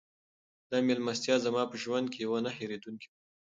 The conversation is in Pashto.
دا مېلمستیا زما په ژوند کې یوه نه هېرېدونکې وه.